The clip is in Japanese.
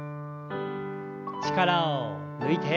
力を抜いて。